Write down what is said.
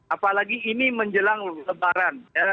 apalagi ini menjelang lebaran